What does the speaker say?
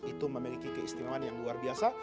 itu memiliki keistimewaan yang luar biasa